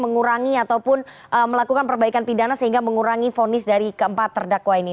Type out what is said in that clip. mengurangi ataupun melakukan perbaikan pidana sehingga mengurangi fonis dari keempat terdakwa ini